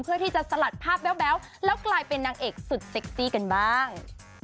เพื่อที่จะสลัดภาพแบ๊วแล้วกลายเป็นนางเอกสุดเซ็กซี่กันบ้าง